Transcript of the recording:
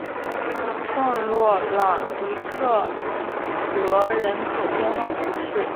圣洛朗迪克罗人口变化图示